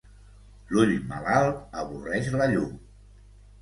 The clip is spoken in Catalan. L'ull malalt avorreix la llum.